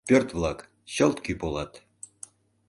Пӧрт-влак — чылт кӱ полат.